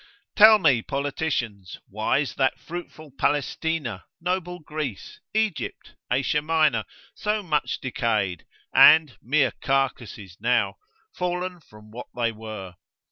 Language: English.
Tell me politicians, why is that fruitful Palestina, noble Greece, Egypt, Asia Minor, so much decayed, and (mere carcases now) fallen from that they were?